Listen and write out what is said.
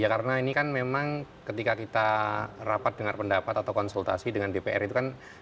ya karena ini kan memang ketika kita rapat dengan pendapat atau konsultasi dengan dpr itu kan konteksnya waktu itu kita sedang berdiri